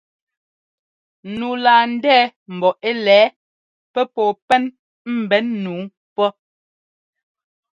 Nu laa ndɛɛ̀̀ mbɔ ɛ́ lɛ̌ɛ pɛ́ pɔɔ pɛn ḿbɛn nǔu pɔ́ !